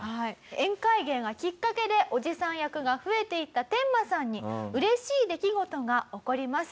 宴会芸がきっかけでおじさん役が増えていったテンマさんに嬉しい出来事が起こります。